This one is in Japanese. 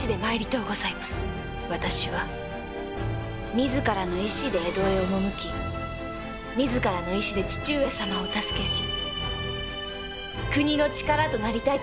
私は自らの意思で江戸へ赴き自らの意思で父上様をお助けし国の力となりたいと存じます。